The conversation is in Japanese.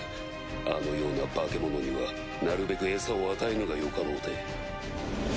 あのような化け物にはなるべく餌を与えぬがよかろうて。